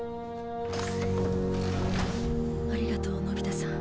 ありがとうのび太さん。